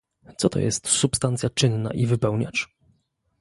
Co to jest substancja czynna i wypełniacz?